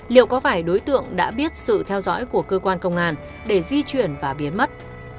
liệu có phải đối tượng đã biết sự theo dõi của cơ quan công an để di chuyển và biến mất